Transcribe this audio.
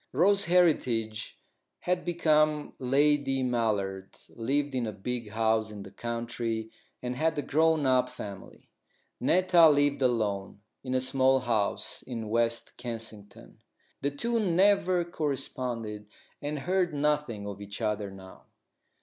Rose Heritage had become Lady Mallard, lived in a big house in the country, and had a grown up family. Netta lived alone in a small house in West Kensington. The two never corresponded, and heard nothing of each other now.